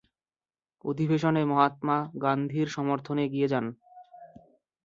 অধিবেশনে মহাত্মা গান্ধীর সমর্থনে এগিয়ে যান।